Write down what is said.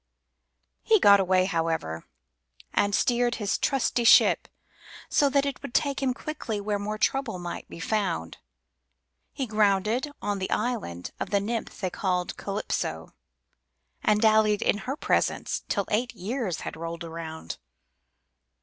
He got away, however, and he steered his trusty ship so That it would take him quickly where more trouble might be found He grounded on the island of the nymph they called Calypso, And dallied in her presence till eight years had rolled around.